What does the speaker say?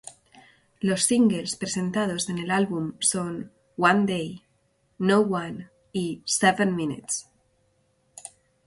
Los singles presentados en el álbum son "One Day", "No One" y "Seven Minutes".